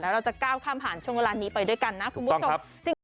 เราจะก้าวข้ามผ่านช่วงเวลานี้ไปด้วยกันนะคุณผู้ชม